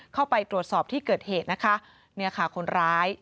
เข้าไปตรวจสอบที่เกิดเหตุนะคะเนี่ยค่ะคนร้าย